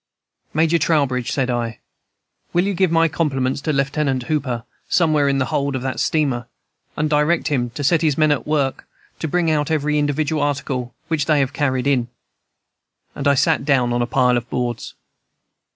"'Major Trowbridge,' said I, 'will you give my compliments to Lieutenant Hooper, somewhere in the hold of that steamer, and direct him to set his men at work to bring out every individual article which they have carried hi.' And I sat down on a pile of boards.